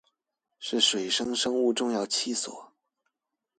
是水生生物重要棲所